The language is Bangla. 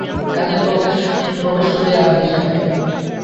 কাজে প্রবেশ করিয়া আর দিশা পাই না।